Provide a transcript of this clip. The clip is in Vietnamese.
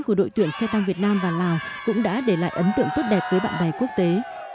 của đội tuyển xe tăng việt nam và lào cũng đã để lại ấn tượng tốt đẹp với bạn bè quốc tế